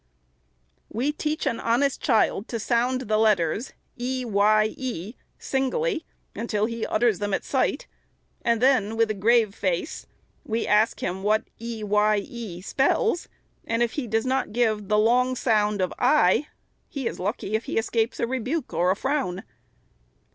We teach an honest child to sound the letters, e, y, e, singly, until he utters them at sight, and then, with a grave face, we ask him what e, y, e, spells ; and if he does not give the long sound of i, he is lucky if he escapes a rebuke or a frown.